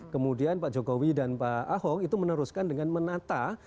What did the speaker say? kemudian pak jokowi dan pak ahok itu meneruskan dengan menata